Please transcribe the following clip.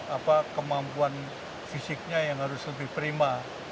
apa kemampuan fisiknya yang harus lebih prima